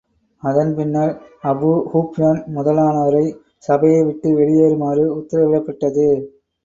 அதன் பின்னர், அபூ ஸூப்யான் முதலானோரை சபையை விட்டு வெளியேறுமாறு உத்தரவிடப்பட்டது.